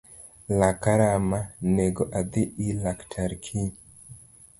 Laka rama nego adhii ir laktar kiny